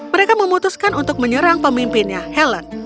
mereka memutuskan untuk menyerang pemimpinnya helen